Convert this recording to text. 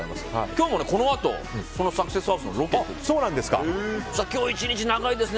今日も、このあとそのサクセスハウスのロケに行くんです。